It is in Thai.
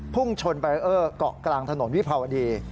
พุ่งชนไปเอ้อก่อกกลางถนนวิพาวดี